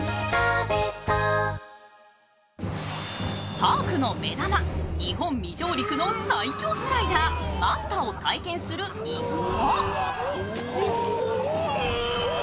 パークの目玉日本未上陸の最恐スライダーマンタを体験する一行。